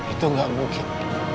itu gak mungkin